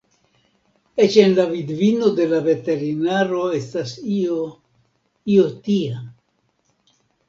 Eĉ en la vidvino de la veterinaro estas io, io tia.